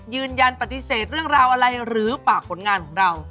ยืนยันปฏิเสธเรื่องราวอะไรหรือฝากผลงานของเรา